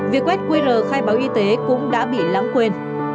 việc quét qr khai báo y tế cũng đã bị lãng quên